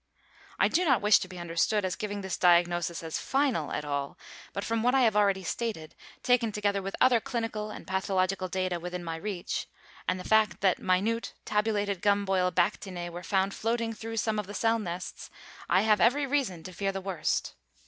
I do not wish to be understood as giving this diagnosis as final at all, but from what I have already stated, taken together with other clinical and pathological data within my reach, and the fact that minute, tabulated gumboil bactinae were found floating through some of the cell nests, I have every reason to fear the worst.